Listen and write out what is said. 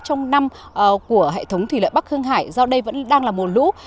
trong năm của hệ thống thủy lợi bắc hưng hải do đây vẫn đang là mùa lũ